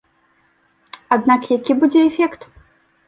Аднак які будзе эфект?